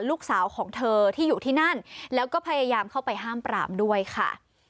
ลูกสาวของเธอที่อยู่ที่นั่นแล้วก็พยายามเข้าไปห้ามปรามด้วยค่ะ